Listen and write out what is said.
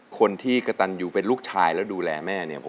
คนที่กระตันอยู่เป็นลูกชายแล้วดูแลแม่เนี่ย